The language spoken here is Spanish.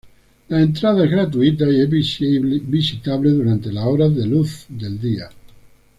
La entrada es gratuita y es visitable durante las horas de luz del día.